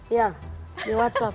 iya di whatsapp